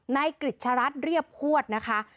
นายกริจรัสเรียบพวดนะคะ